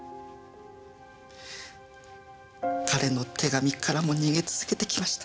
彼の手紙からも逃げ続けてきました。